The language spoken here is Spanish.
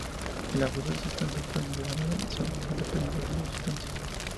El abuso de sustancias puede llevar a la adicción o dependencia de sustancias.